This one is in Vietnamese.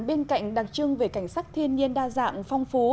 bên cạnh đặc trưng về cảnh sắc thiên nhiên đa dạng phong phú